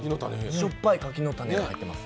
しょっぱい柿の種が入っています。